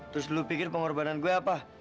terus lu pikir pengorbanan gue apa